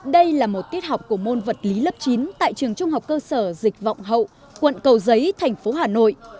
đây là một tiết học của môn vật lý lớp chín tại trường trung học cơ sở dịch vọng hậu quận cầu giấy thành phố hà nội